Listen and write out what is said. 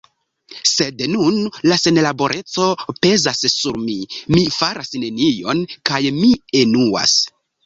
Sed nun la senlaboreco pezas sur mi: mi faras nenion, kaj mi enuas.